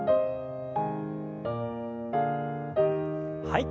はい。